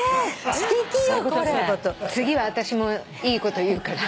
次はあたしもいいこと言うから。